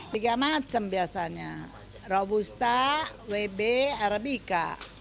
tiga macam biasanya robusta wb arabica